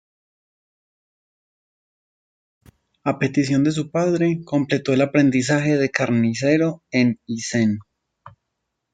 A petición de su padre, completó el aprendizaje de carnicero en Isen.